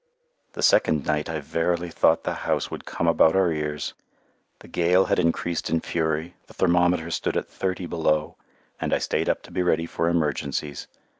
The second night I verily thought the house would come about our ears. The gale had increased in fury, the thermometer stood at thirty below, and I stayed up to be ready for emergencies.